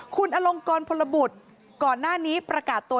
คุณอลงกรพลบุตรก่อนหน้านี้ประกาศตัว